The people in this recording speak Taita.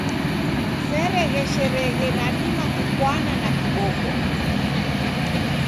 Seregheshereghe nadima kupwana na kiboko.